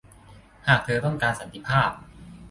หากเธอต้องการสันติภาพ